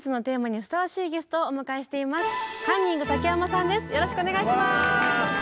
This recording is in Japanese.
よろしくお願いします。わ！